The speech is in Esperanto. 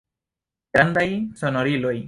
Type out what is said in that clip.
Grandaj sonoriloj.